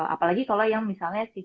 apalagi kalau yang misalnya si atlet